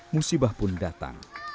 musibah pun datang